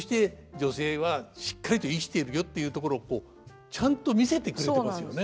女性はしっかりと生きてるよっていうところをちゃんと見せてくれてますよね。